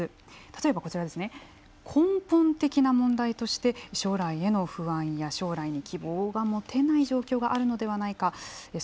例えば根本的な問題として将来への不安や将来に希望が持てない状況があるのではないか。